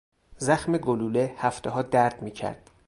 زخم گلوله هفتهها درد میکرد.